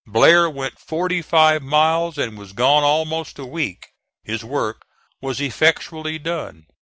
Blair went forty five miles and was gone almost a week. His work was effectually done.